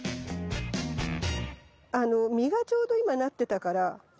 あの実がちょうど今なってたから。